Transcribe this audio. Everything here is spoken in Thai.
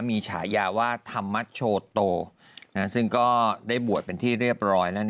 มีฉายาว่าธรรมโชโตซึ่งก็ได้บวชเป็นที่เรียบร้อยแล้ว